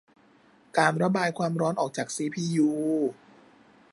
การระบายความร้อนออกจากซีพียู